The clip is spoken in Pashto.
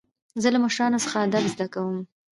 زه له مشرانو څخه ادب زده کوم.